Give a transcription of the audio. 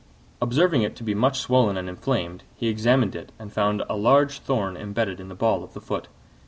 Observing it to be much swollen and inflamed, he examined it and found a large thorn embedded in the ball of the foot.